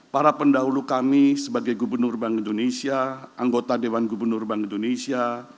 para pendahulu kami sebagai gubernur bank indonesia anggota dewan gubernur bank indonesia